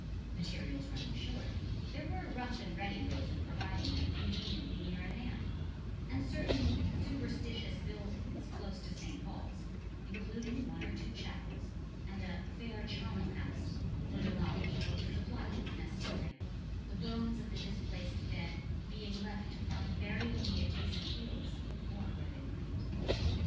Materials running short, there were rough and ready ways of providing them conveniently near at hand; and certain "superstitious buildings" close to St. Paul's, including one or two chapels and a "fair charnel house" were demolished to supply what was necessary, the bones of the displaced dead being left to find burial in the adjacent fields, or where they might.